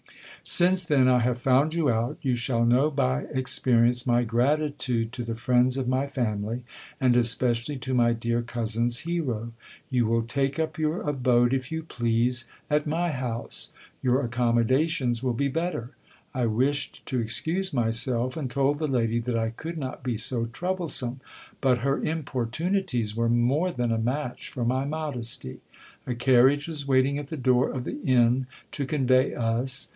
Since then I have fDund you out, you shall know by experience my gratitude to the friends of my f imily, and especially to my dear cousin's hero. ' You will take up your abode, i ■" you please, at my house. Your accommodations will be better! I wished t j excuse myself ; and told the lady that I could not be so troublesome : but 34 GIL BLAS. her importunities were more than a match for my modesty. A carriage was waiting at the door of the inn to convey us.